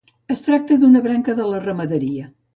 Es tracta d'una branca de la ramaderia.